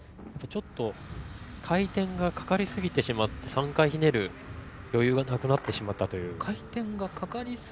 ちょっと回転がかかりすぎてしまって３回ひねる余裕がなくなってしまったという。